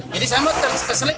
jadi saya mau keselip